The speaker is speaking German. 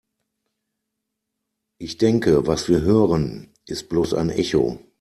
Ich denke, was wir hören, ist bloß ein Echo.